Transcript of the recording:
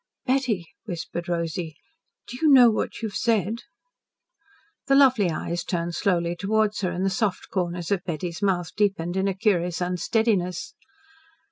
"Betty," whispered Rosy, "do you know what you have said?" The lovely eyes turned slowly towards her, and the soft corners of Betty's mouth deepened in a curious unsteadiness.